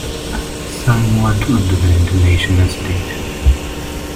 Some went onto the international stage.